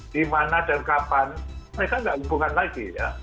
di mana dan kapan mereka tidak hubungan lagi ya